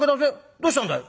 どうしたんだい？」。